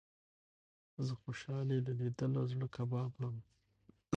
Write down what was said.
زه خوشال يې له ليدلو زړه کباب وړم